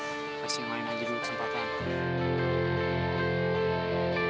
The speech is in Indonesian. mau bisa lagi kasih yang lain aja dulu kesempatan